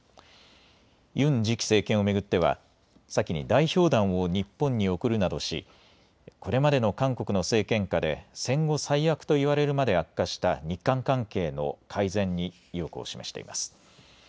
ユン次期政権を巡っては先に代表団を日本に送るなどしこれまでの韓国の政権下で戦後最悪と言われるまで悪化した日韓関係の改善に意欲を示しています。